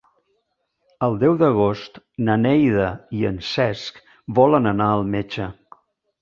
El deu d'agost na Neida i en Cesc volen anar al metge.